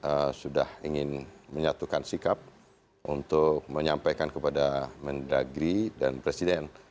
mereka sudah ingin menyatukan sikap untuk menyampaikan kepada menteri dalam negeri dan presiden